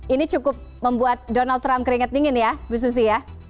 ini cukup membuat donald trump keringat dingin ya bu susi ya